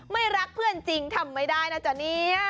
ไม่รักเพื่อนจริงทำไม่ได้นะจ๊ะเนี่ย